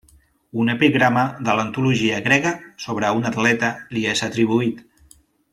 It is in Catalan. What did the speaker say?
Un epigrama de l'antologia grega sobre un atleta li és atribuït.